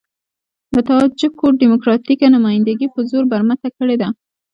د تاجکو ډيموکراتيکه نمايندګي په زور برمته کړې ده.